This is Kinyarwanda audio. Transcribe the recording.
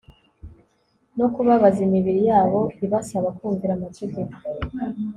no kubabaza imibiri yabo Ibasaba kumvira amategeko